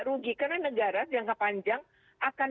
rugi karena negara jangka panjang akan